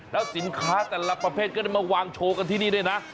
แล้วสินค้าแต่ละประเภทก็ได้มาวางโชว์กันที่นี่ด้วยนะ